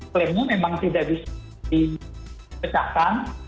klaim nya memang tidak bisa dipecahkan